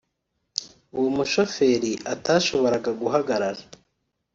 uwo mushoferi atashoboraga guhagarara